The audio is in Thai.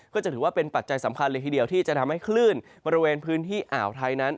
ก็จะถือว่าเป็นปัจจัยสำคัญเลยทีเดียวที่จะทำให้คลื่นบริเวณพื้นที่อ่าวไทยนั้น